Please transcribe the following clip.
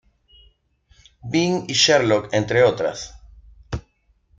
Bean" y "Sherlock" entre otras.